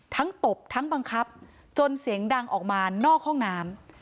ตบทั้งบังคับจนเสียงดังออกมานอกห้องน้ำ